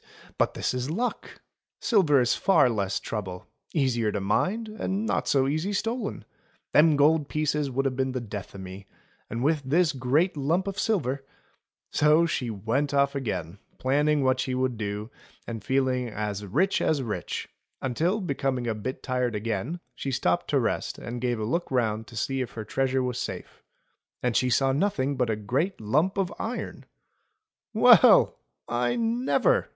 But this is luck ! Silver is far less trouble — easier to mind, and not so easy stolen. Them gold pieces would have been the death o' me, and with this great lump of silver —" So she went off again planning what she would do, and feeling as rich as rich, until becoming a bit tired again she stopped to rest and gave a look round to see if her treasure was safe ; and she saw nothing but a great lump of iron ! Well! I never!"